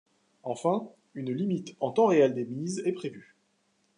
Enfin, une limite en temps réel des mises est prévue.